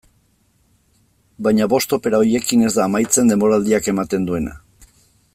Baina bost opera horiekin ez da amaitzen denboraldiak ematen duena.